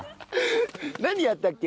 何やったっけ？